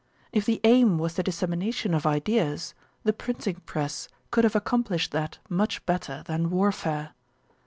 If the aim was the dissemination of ideas, the printing press could have accomplished that much better than warfare.